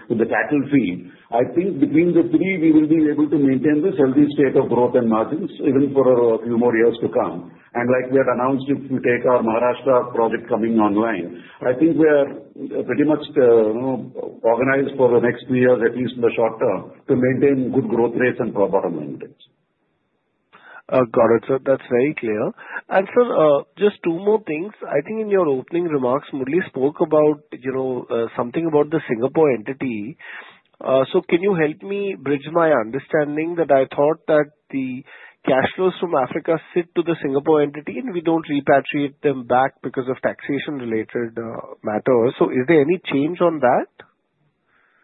with the cattle feed. I think between the three, we will be able to maintain this healthy state of growth and margins even for a few more years to come. And like we had announced, if we take our Maharashtra project coming online, I think we are pretty much organized for the next three years, at least in the short term, to maintain good growth rates and profitable incomes. Got it. So that's very clear. And sir, just two more things. I think in your opening remarks, MD spoke about something about the Singapore entity. So can you help me bridge my understanding that I thought that the cash flows from Africa sit to the Singapore entity, and we don't repatriate them back because of taxation-related matters? So is there any change on that?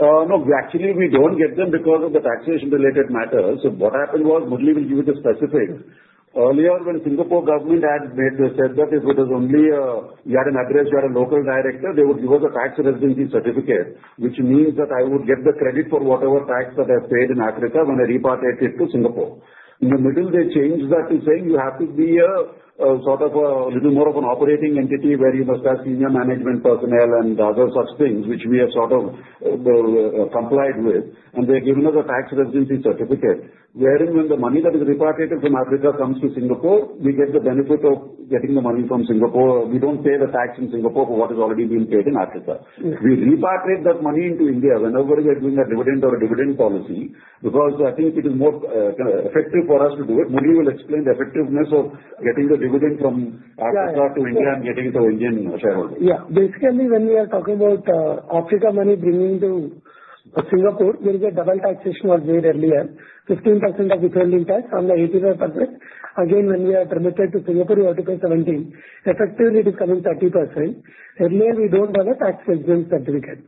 No. Actually, we don't get them because of the taxation-related matters. So what happened was, Murali will give you the specifics. Earlier, when the Singapore government had said that if it was only you had an address, you had a local director, they would give us a tax residency certificate, which means that I would get the credit for whatever tax that I paid in Africa when I repatriated to Singapore. In the middle, they changed that to saying you have to be sort of a little more of an operating entity where you must have senior management personnel and other such things, which we have sort of complied with, and they have given us a tax residency certificate, wherein when the money that is repatriated from Africa comes to Singapore, we get the benefit of getting the money from Singapore. We don't pay the tax in Singapore for what is already being paid in Africa. We repatriate that money into India whenever we are doing a dividend or a dividend policy because I think it is more effective for us to do it. Murali will explain the effectiveness of getting the dividend from Africa to India and getting it to Indian shareholders. Yeah. Basically, when we are talking about Africa money bringing to Singapore, there is a double taxation was made earlier, 15% of withholding tax on the 85%. Again, when we are remitted to Singapore, we have to pay 17%. Effectively, it is coming 30%. Earlier, we don't have a tax residency certificate.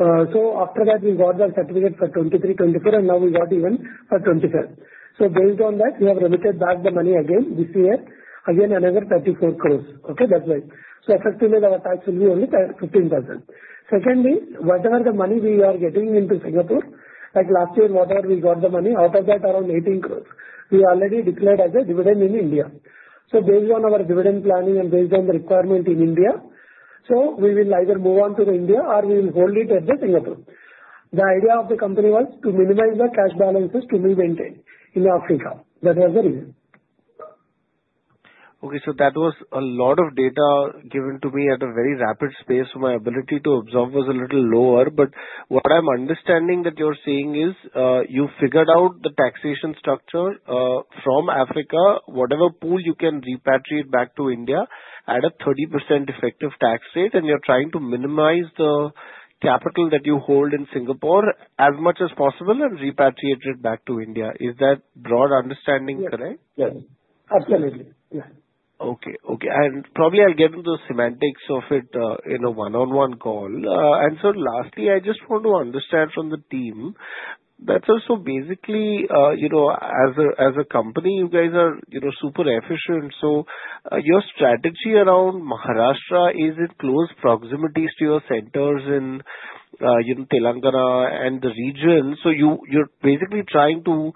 So after that, we got that certificate for 2023, 2024, and now we got even for 2025. So based on that, we have remitted back the money again this year, again, another 34 crores. Okay? That's why. So effectively, our tax will be only 15%. Secondly, whatever the money we are getting into Singapore, like last year, whatever we got the money, out of that, around 18 crores, we already declared as a dividend in India. So based on our dividend planning and based on the requirement in India, so we will either move on to India or we will hold it at the Singapore. The idea of the company was to minimize the cash balances to be maintained in Africa. That was the reason. Okay. So that was a lot of data given to me at a very rapid pace, so my ability to absorb was a little lower. But what I'm understanding that you're saying is you figured out the taxation structure from Africa, whatever pool you can repatriate back to India at a 30% effective tax rate, and you're trying to minimize the capital that you hold in Singapore as much as possible and repatriate it back to India. Is that broad understanding correct? Yes. Absolutely. Yeah. Okay. Okay. And probably I'll get into the semantics of it in a one-on-one call. And sir, lastly, I just want to understand from the team. That's also basically as a company, you guys are super efficient. So your strategy around Maharashtra, is it close proximities to your centers in Telangana and the region? So you're basically trying to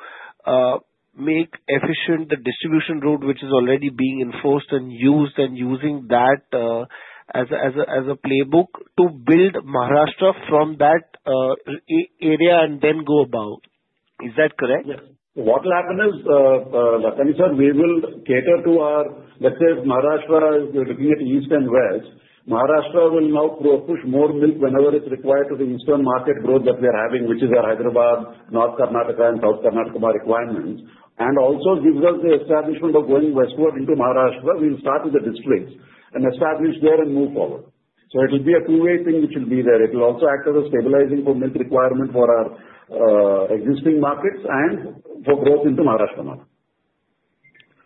make efficient the distribution road, which is already being enforced and used, and using that as a playbook to build Maharashtra from that area and then go about. Is that correct? Yes. What will happen is, Lakhani sir, we will cater to our, let's say, Maharashtra. If you're looking at east and west, Maharashtra will now push more milk whenever it's required to the eastern market growth that we are having, which is our Hyderabad, North Karnataka, and South Karnataka by requirements, and also gives us the establishment of going westward into Maharashtra. We will start with the districts and establish there and move forward, so it will be a two-way thing which will be there. It will also act as a stabilizing for milk requirement for our existing markets and for growth into Maharashtra now.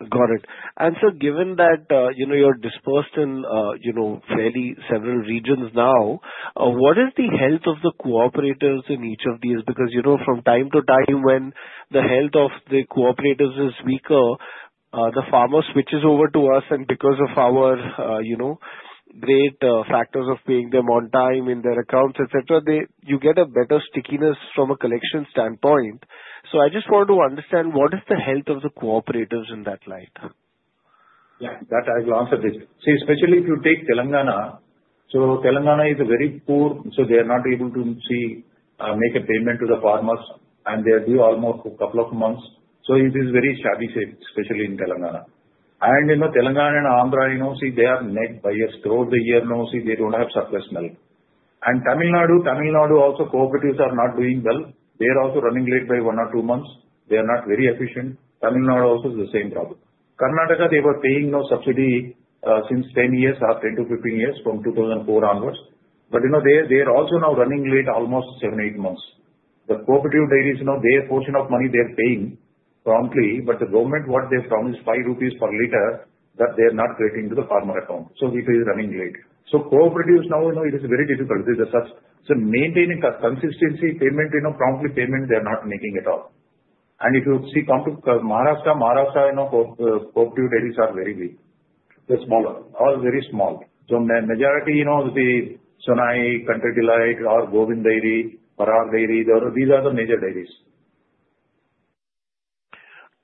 Got it. And sir, given that you're dispersed in fairly several regions now, what is the health of the cooperators in each of these? Because from time to time, when the health of the cooperators is weaker, the farmer switches over to us, and because of our great factors of paying them on time in their accounts, etc., you get a better stickiness from a collection standpoint. So I just want to understand, what is the health of the cooperators in that light? Yeah. That I will answer this. See, especially if you take Telangana, so Telangana is very poor. So they are not able to make a payment to the farmers, and they are due almost a couple of months. So it is very shabby state, especially in Telangana. And Telangana and Andhra, you know, see, they are in deficit throughout the year. Now, see, they don't have surplus milk. And Tamil Nadu, Tamil Nadu also cooperatives are not doing well. They are also running late by one or two months. They are not very efficient. Tamil Nadu also is the same problem. Karnataka, they were paying no subsidy since 10 years, after 10-15 years from 2004 onwards. But they are also now running late almost seven-eight months. The cooperative dairy is their portion of money they are paying promptly, but the government, what they promised, 5 rupees per liter, that they are not crediting to the farmer account. So it is running late. So cooperatives now, it is very difficult. It is such maintaining consistency, payment, promptly payment, they are not making at all. And if you see, come to Maharashtra, Maharashtra cooperative dairy are very weak. They're smaller. All very small. So the majority, Sonai, Country Delight or Govind Dairy, Parag Dairy, these are the major dairies.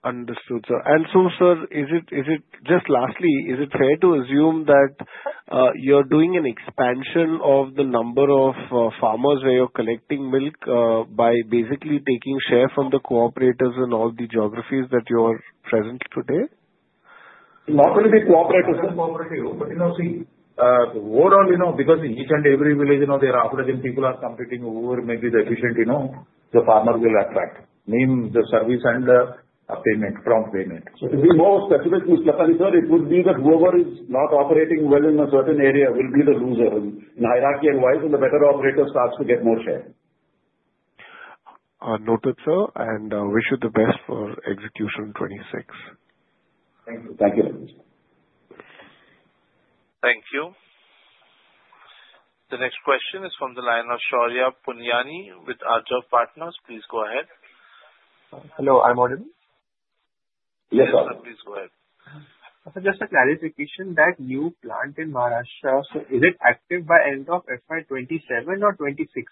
Understood, sir. And so, sir, is it just lastly, is it fair to assume that you're doing an expansion of the number of farmers where you're collecting milk by basically taking share from the cooperators in all the geographies that you are present today? Not only cooperatives, but see, overall, because each and every village, there are other people are competing over maybe the efficient the farmer will attract. I mean the service and a payment, prompt payment. So to be more specific, Lakhani sir, it would be that whoever is not operating well in a certain area will be the loser hierarchy-wise, and the better operator starts to get more share. Noted, sir. Wish you the best for execution 2026. Thank you. Thank you. Thank you. The next question is from the line of Shorya Puniani with Ajov Partners. Please go ahead. Hello. I'm audible? Yes, sir. Please go ahead. Just a clarification, that new plant in Maharashtra, so is it active by end of FY 2027 or 2026?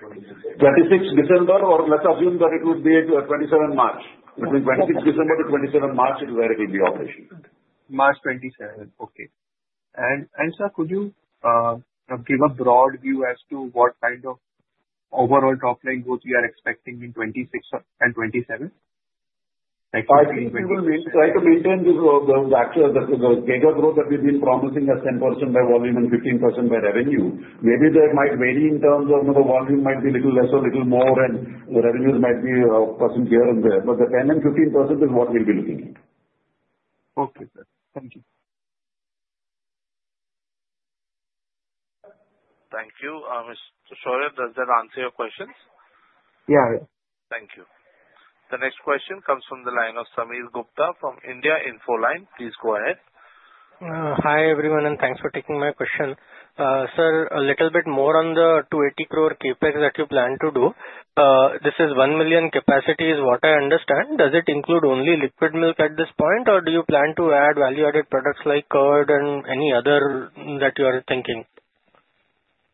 December 2026, or let's assume that it would be March 2027. Between December 2026 and March 2027, it will be operational. March 2027. Okay. And sir, could you give a broad view as to what kind of overall top line growth you are expecting in 2026 and 2027? Try to maintain the actual data growth that we've been promising as 10% by volume and 15% by revenue. Maybe that might vary in terms of the volume might be a little less or a little more, and the revenues might be a percent here and there. But the 10 and 15% is what we'll be looking at. Okay, sir. Thank you. Thank you. Mr. Shorya, does that answer your questions? Yeah. Thank you. The next question comes from the line of Sameer Gupta from India Infoline. Please go ahead. Hi everyone, and thanks for taking my question. Sir, a little bit more on the 280 crore Capex that you plan to do. This is one million capacity is what I understand. Does it include only liquid milk at this point, or do you plan to add value-added products like curd and any other that you are thinking?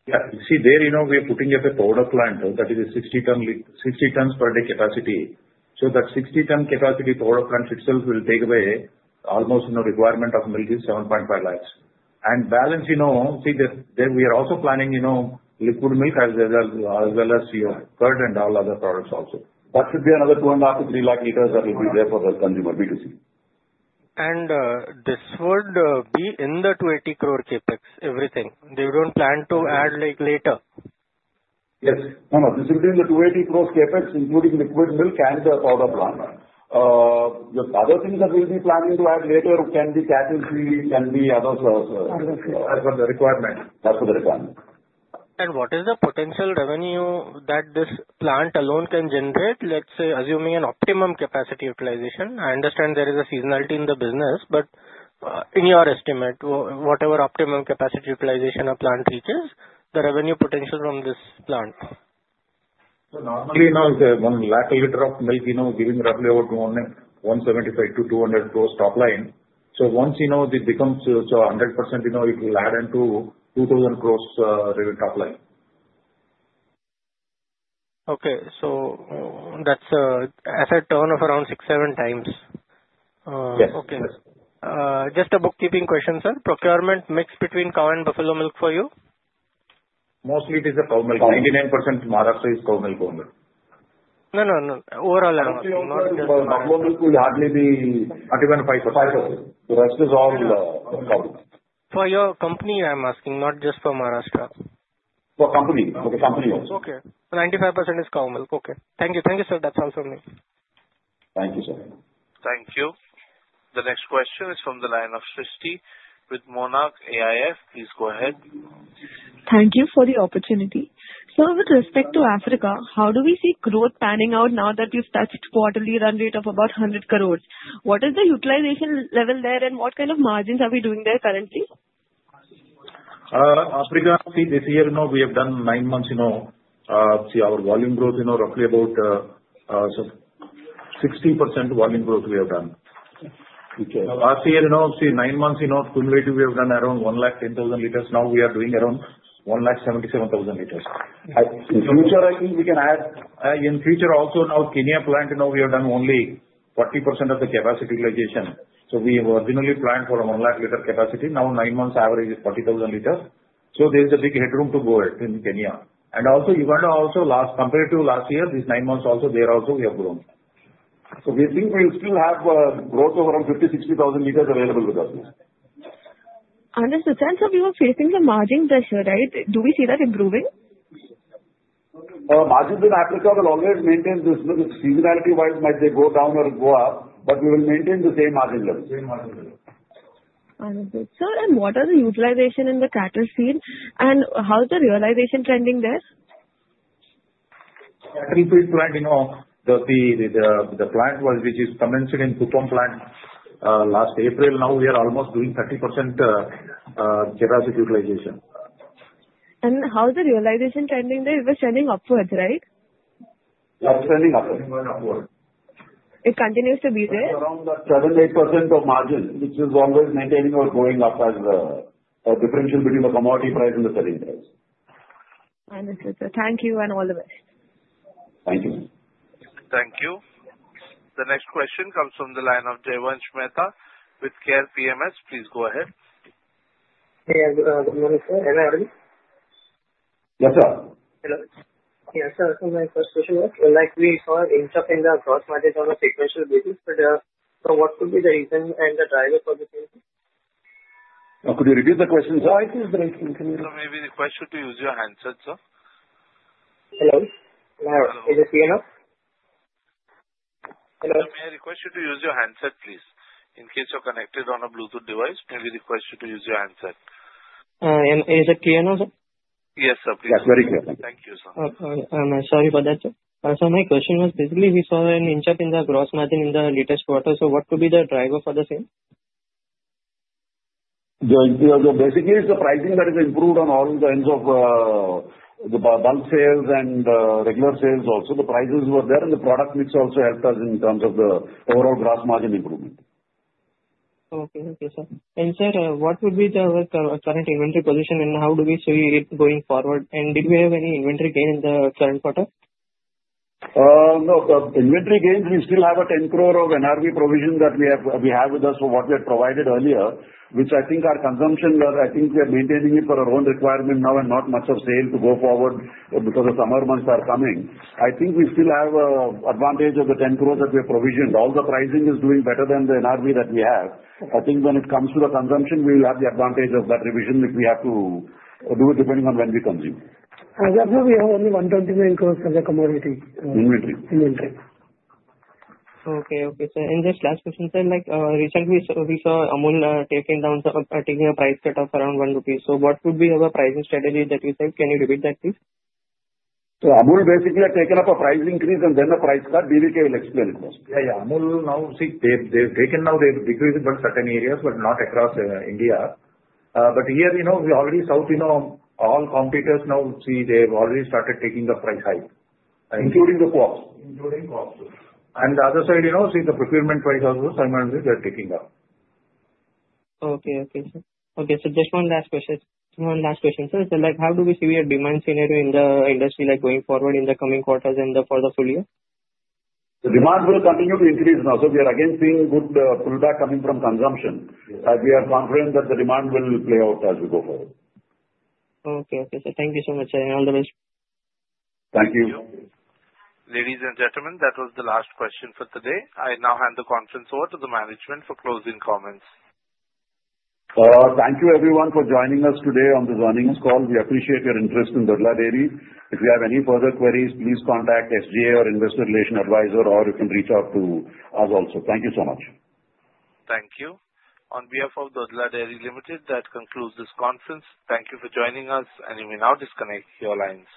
Yeah. See, there we are putting up a powder plant that is a 60 tons per day capacity. So that 60 tons capacity powder plant itself will take away almost requirement of milk is 7.5 lakhs. And balance, see, we are also planning liquid milk as well as your curd and all other products also. That should be another 2.5-3 lakh liters that will be there for the consumer, B2C. This would be in the 280 crore CapEx, everything. They don't plan to add later? Yes. No, no. This will be in the 280 crore Capex, including liquid milk and the powder plant. The other things that we'll be planning to add later can be cattle feed, can be other sources. Other feeds. That's for the requirement. What is the potential revenue that this plant alone can generate? Let's say, assuming an optimum capacity utilization, I understand there is a seasonality in the business, but in your estimate, whatever optimum capacity utilization a plant reaches, the revenue potential from this plant? Normally, when a liter of milk is giving roughly about 175-200 crore top line, so once it becomes 100%, it will add into 2000 crores revenue top line. Okay. So that's a turnover around six-seven times. Yes. Okay. Just a bookkeeping question, sir. Procurement mix between cow and buffalo milk for you? Mostly, it is the cow milk. 99% Maharashtra is cow milk only. No, no, no. Overall, I don't know. Buffalo milk will hardly be 35%. The rest is all cow. For your company, I'm asking, not just for Maharashtra. For company. For the company only. Okay. 95% is cow milk. Okay. Thank you. Thank you, sir. That's all from me. Thank you, sir. Thank you. The next question is from the line of Shrishti with Monarch AIF. Please go ahead. Thank you for the opportunity. Sir, with respect to Africa, how do we see growth panning out now that we've touched quarterly run rate of about 100 crores? What is the utilization level there, and what kind of margins are we doing there currently? Africa, this year, we have done nine months, our volume growth, roughly about 60% volume growth we have done. Last year, nine months, cumulative, we have done around 110,000 liters. Now we are doing around 177,000 liters. In future, I think we can add in future also, now Kenya plant, we have done only 40% of the capacity utilization. So we originally planned for a 1 lakh liter capacity. Now nine months average is 40,000 liters. So there is a big headroom to go ahead in Kenya. And also, Uganda also, compared to last year, these nine months also, there also we have grown. So we think we'll still have growth of around 50,000-60,000 liters available with us. Understood. And sir, we were facing the margin pressure, right? Do we see that improving? Margin being applicable, always maintain this seasonality-wise. Might they go down or go up, but we will maintain the same margin level. Understood. Sir, and what are the utilization in the cattle feed, and how is the realization trending there? Cattle feed plant, the plant which is commenced in Kupang plant last April, now we are almost doing 30% capacity utilization. And how is the realization trending there? It was trending upwards, right? It's trending upward. It continues to be there? Around 7% to 8% of margin, which is always maintaining or going up as a differential between the commodity price and the selling price. Understood, sir. Thank you and all the best. Thank you. Thank you. The next question comes from the line of Devansh Mehta with Care PMS. Please go ahead. Hey, good morning, sir. Hello. Yes, sir. Hello. Yes, sir. So my first question was, like we saw inched up and down across margins on a sequential basis, but what could be the reason and the driver for this? Could you repeat the question, sir? Why is this breaking? Can you? So maybe request you to use your handset, sir. Hello? Is it clear now? Hello? May I request you to use your handset, please? In case you're connected on a Bluetooth device, may we request you to use your handset? Is it clear now, sir? Yes, sir. That's very clear. Thank you, sir. I'm sorry for that, sir. Sir, my question was basically we saw an inch up in the gross margin in the latest quarter, so what could be the driver for the same? Basically, it's the pricing that has improved on all the ends of the bulk sales and regular sales also. The prices were there, and the product mix also helped us in terms of the overall gross margin improvement. Okay. Thank you, sir. And sir, what would be the current inventory position, and how do we see it going forward? And did we have any inventory gain in the current quarter? No. Inventory gains, we still have 10 crore of NRV provision that we have with us for what we had provided earlier, which I think our consumption, I think we are maintaining it for our own requirement now and not much of sale to go forward because the summer months are coming. I think we still have an advantage of the 10 crores that we have provisioned. All the pricing is doing better than the NRV that we have. I think when it comes to the consumption, we will have the advantage of that revision if we have to do it depending on when we consume. I thought we have only 129 crores for the commodity. Inventory. Inventory. Okay, sir. And just last question, sir, like recently we saw Amul taking down, taking a price cut off around 1 rupees. So what would be your pricing strategy that you said? Can you repeat that, please? So Amul basically has taken up a price increase and then a price cut. BVK will explain it first. Yeah, yeah. Amul now, see, they've taken. Now they've decreased in certain areas, but not across India. But here we are in South, all competitors now, see, they've already started taking the price hike, including the co-ops. And the other side, see, the procurement price also, SMP and milk, they're taking up. Okay, sir. So just one last question, sir. How do we see your demand scenario in the industry going forward in the coming quarters and for the full year? The demand will continue to increase now, so we are again seeing good pullback coming from consumption. We are confident that the demand will play out as we go forward. Okay. Okay, sir. Thank you so much, sir. All the best. Thank you. Ladies and gentlemen, that was the last question for today. I now hand the conference over to the management for closing comments. Thank you, everyone, for joining us today on this earnings call. We appreciate your interest in Dodla Dairy. If you have any further queries, please contact SGA or Investor Relations Advisor, or you can reach out to us also. Thank you so much. Thank you. On behalf of Dodla Dairy Limited, that concludes this conference. Thank you for joining us, and you may now disconnect. Your lines.